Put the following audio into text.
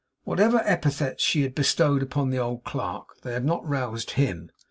Whatever epithets she had bestowed on the old clerk, they had not roused HIM.